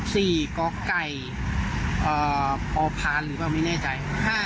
สี่กไก่อ่าพอพานหรือเปล่าไม่แน่ใจ